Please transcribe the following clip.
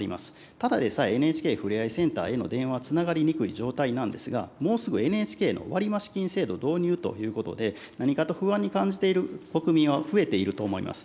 ただでさえ、ＮＨＫふれあいセンターへの電話つながりにくい状態なんですが、もうすぐＮＨＫの割増金制度導入ということで、何かと不安に感じている国民は増えていると思います。